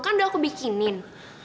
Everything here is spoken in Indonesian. kan udah aku bikinin